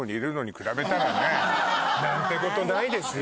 何てことないですよ。